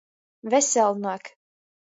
Veselnuok.